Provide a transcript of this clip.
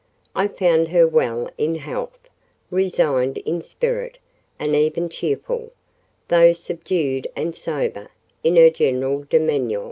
I found her well in health, resigned in spirit, and even cheerful, though subdued and sober, in her general demeanour.